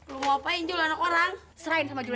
lu mau apain jul anak orang serain sama julia